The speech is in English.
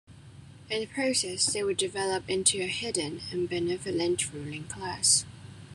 In the process they would develop into a hidden and benevolent "ruling" class.